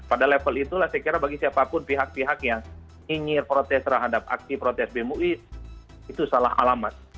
pada level itulah saya kira bagi siapapun pihak pihak yang nyinyir protes terhadap aksi protes bemui itu salah alamat